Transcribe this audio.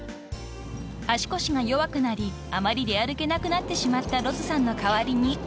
［足腰が弱くなりあまり出歩けなくなってしまったロズさんの代わりにお散歩］